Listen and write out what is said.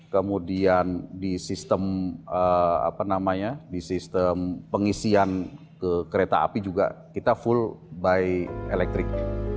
kemudian di sistem pengisian ke kereta api juga kita full by elektrik